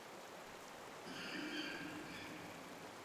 اسے کسی بھی مشروب کے لئے استعمال کیا جاسکتا ہے ۔